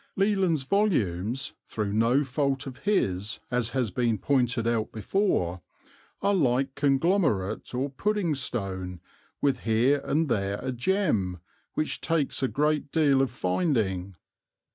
Leland's volumes, through no fault of his, as has been pointed out before, are like conglomerate or puddingstone, with here and there a gem, which takes a great deal of finding.